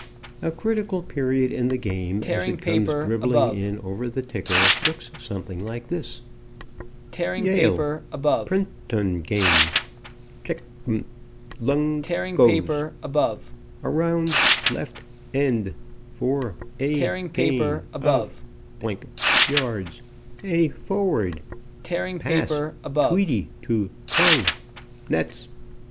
A critical period in the game, as it comes dribbling in over the ticker, looks something like this: YALE.PRINCTON.GAME....CHEKFMKL.......KLUNG.GOES. AROUND.LEFT.END.FOR.A.GAIN.OF.YDS.....A.FORWARD. PASS.TWEEDY.TO.KLUNG.NETS.....